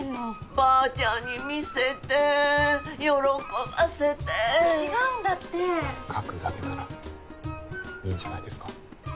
ばあちゃんに見せて喜ばせて違うんだって書くだけならいいんじゃないですか？